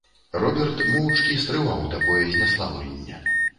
Роберт моўчкі стрываў такое знеслаўленне.